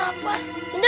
ah cuan pintu